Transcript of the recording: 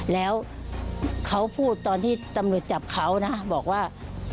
แล้วเขาพูดตอนที่ตำรวจจับเขานะบอกว่า